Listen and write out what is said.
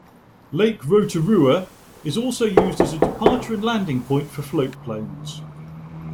Lake Rotorua is also used as a departure and landing point for float planes.